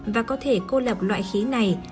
và có thể cô lập loại khí này